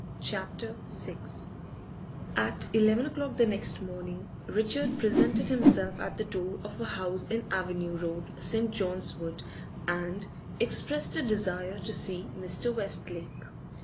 CHAPTER VI At eleven o'clock the next morning Richard presented himself at the door of a house in Avenue Road, St. John's Wood, and expressed a desire to see Mr. Westlake.